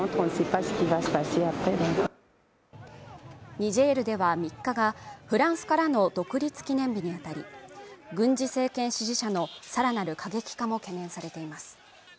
ニジェールでは３日がフランスからの独立記念日にあたり軍事政権支持者のさらなる過激化も懸念されています